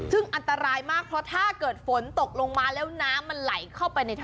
ซึ่งอันตรายมากเพราะถ้าเกิดฝนตกลงมาแล้วน้ำมันไหลเข้าไปในท่อ